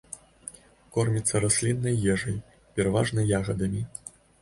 Корміцца расліннай ежай, пераважна ягадамі.